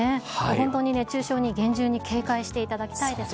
本当に熱中症に厳重に警戒していただきたいですね。